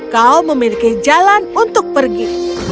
kau memiliki jalan untuk pergi